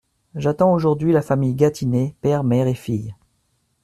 J’attends aujourd’hui la famille Gatinais, père, mère et fille.